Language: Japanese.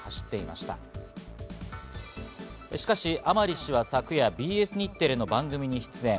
しかし甘利氏は昨夜ＢＳ日テレの番組に出演。